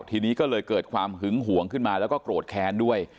ทีนี้ก็เลยเกิดความหึงห่วงขึ้นมาแล้วก็โกรธแค้นด้วย